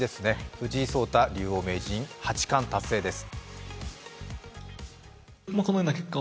藤井聡太竜王名人、八冠達成です。